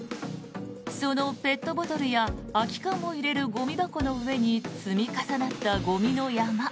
そのペットボトルや空き缶を入れるゴミ箱の上に積み重なったゴミの山。